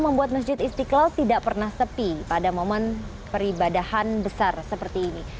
membuat masjid istiqlal tidak pernah sepi pada momen peribadahan besar seperti ini